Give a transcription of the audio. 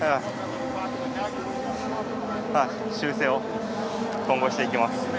修正を今後、していきます。